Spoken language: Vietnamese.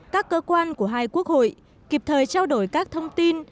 các cơ quan của hai quốc hội kịp thời trao đổi các thông tin